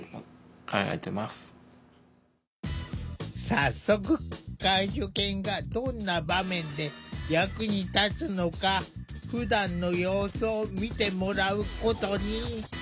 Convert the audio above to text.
早速介助犬がどんな場面で役に立つのかふだんの様子を見てもらうことに。